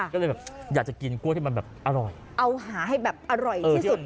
ก็เลยแบบอยากจะกินกล้วยที่มันแบบอร่อยเอาหาให้แบบอร่อยที่สุด